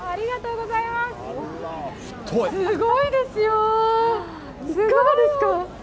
すごいですよ、いかがですか？